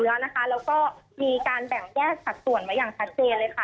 แล้วก็มีการแบ่งแยกสัดส่วนไว้อย่างชัดเจนเลยค่ะ